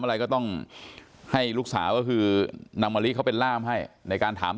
อะไรก็ต้องให้ลูกสาวก็คือนางมะลิเขาเป็นล่ามให้ในการถาม